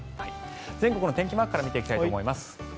全国の天気マークから見ていきたいと思います。